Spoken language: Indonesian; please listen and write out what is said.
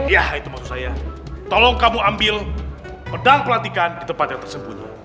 yah itu maksud saya tolong kamu ambil pedang pelantikan di tempat yang tersembunyi